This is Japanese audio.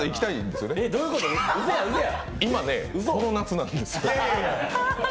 今ね、この夏なんですよ。